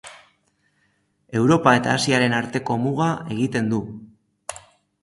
Europa eta Asiaren arteko muga egiten du.